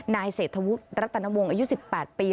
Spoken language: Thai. นายเศรษฐวุฒิรัตนวงอายุ๑๘ปี